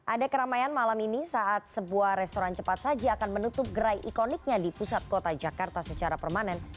ada keramaian malam ini saat sebuah restoran cepat saji akan menutup gerai ikoniknya di pusat kota jakarta secara permanen